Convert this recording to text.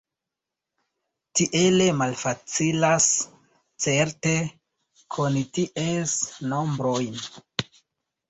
Tiele malfacilas certe koni ties nombrojn.